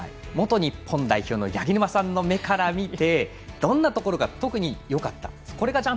元日本代表の八木沼さんの目から見てどんなところが特によかったんですか。